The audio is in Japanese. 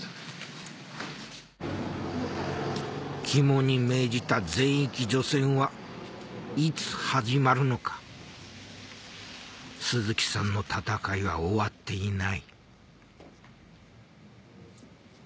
肝に銘じた全域除染はいつ始まるのか鈴木さんの闘いは終わっていない